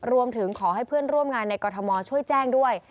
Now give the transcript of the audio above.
รวมถึงขอให้เพื่อนร่วมงานในกรทมช่วยแจ้งด้วย